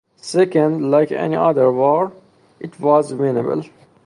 Second, like any other war, it was winnable.